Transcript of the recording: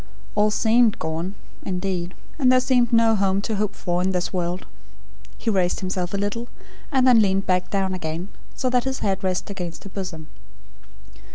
All seemed gone indeed; and there seemed no home to hope for, in this world." He raised himself a little, and then leaned back again; so that his head rested against her bosom.